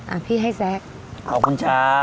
อ่ะพี่ให้แซ็กขอบคุณจ้า